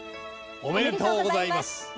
おめでとうございます。